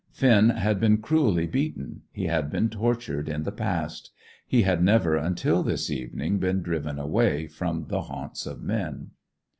Finn had been cruelly beaten; he had been tortured in the past. He had never until this evening been driven away from the haunts of men.